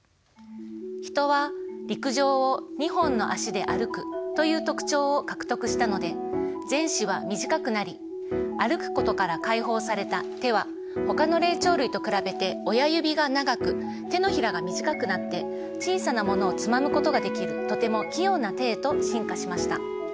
ヒトは陸上を２本のあしで歩くという特徴を獲得したので前肢は短くなり歩くことから解放された手はほかの霊長類と比べて親指が長く手のひらが短くなって小さなものをつまむことができるとても器用な手へと進化しました。